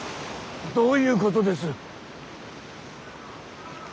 どういうことです。